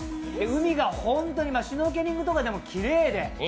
海が本当にシュノーケリングとかきれいで。